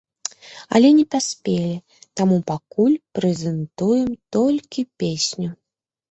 Але не паспелі, таму пакуль прэзентуем толькі песню.